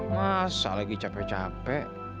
masa lagi capek capek